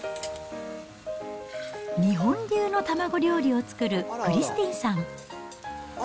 日本流の卵料理を作るクリスティンさん。